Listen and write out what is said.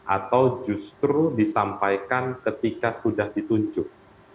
atau justru disampaikan ketika sudah ditunjuk